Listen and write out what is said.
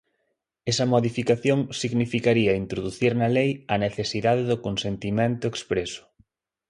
Esa modificación significaría introducir na lei a necesidade do consentimento expreso.